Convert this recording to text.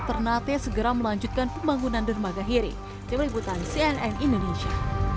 ternate segera melanjutkan pembangunan dermaga kiri di peributan cnn indonesia